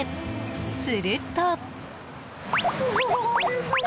すると。